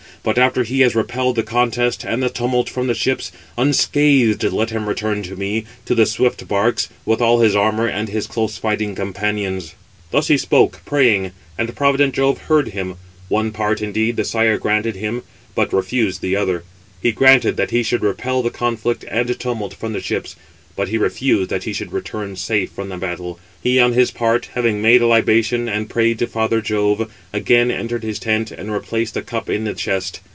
But after he has repelled the contest and the tumult from the ships, unscathed let him return to me, to the swift barks, with all his armour and his close fighting companions." Footnote 515: (return) So θεῖον ἀγῶνα, vi. 298. The Scholiast interprets it ἐν ναυστάθμῳ. Thus he spoke, praying; and provident Jove heard him. One part indeed the Sire granted him, but refused the other. He granted that he should repel the conflict and tumult from the ships, but he refused that he should return safe from the battle. He, on his part, having made a libation and prayed to father Jove, again entered his tent, and replaced the cup in the chest.